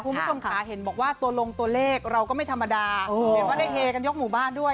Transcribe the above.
คุณผู้ชมค่ะเห็นบอกว่าตัวลงตัวเลขเราก็ไม่ธรรมดาเห็นว่าได้เฮกันยกหมู่บ้านด้วย